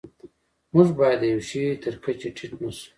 موږ باید د یوه شي تر کچې ټیټ نشو.